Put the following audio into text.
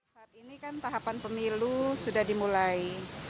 saat ini kan tahapan pemilu sudah dimulai